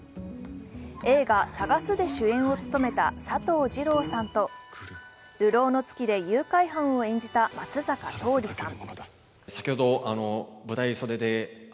映画「さがす」で主演を務めた佐藤二朗さんと、「流浪の月」で誘拐犯を演じた松坂桃李さん。